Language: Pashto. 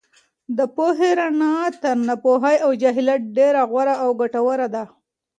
د پوهې رڼا تر ناپوهۍ او جهالت ډېره غوره او ګټوره ده.